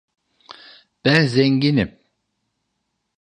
Ben zenginim.